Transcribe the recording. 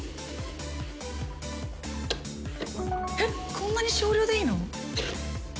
こんな少量でいいの？